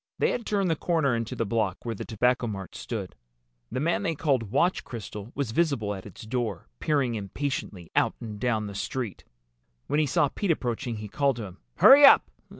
They had turned the corner into the block where the Tobacco Mart stood. The man they called Watch Crystal was visible at its door, peering impatiently out and down the street. When he saw Pete approaching he called to him. "Hurry up!